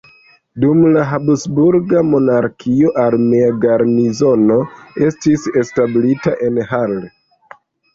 Dum la Habsburga monarkio armea garnizono estis establita en Hall.